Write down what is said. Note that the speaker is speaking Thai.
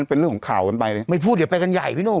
เป็นเรื่องของข่าวกันไปเลยไม่พูดเดี๋ยวไปกันใหญ่พี่หนุ่ม